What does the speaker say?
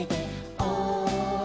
「おい！」